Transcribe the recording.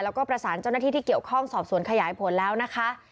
แล้วก็ประสานเจ้าหน้าที่ที่เกี่ยวข้องสอบสวนขยายผลแล้วนะคะ